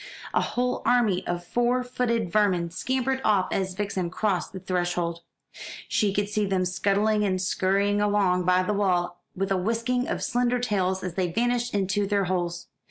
A whole army of four footed vermin scampered off as Vixen crossed the threshold. She could see them scuttling and scurrying along by the wall, with a whisking of slender tails as they vanished into their holes.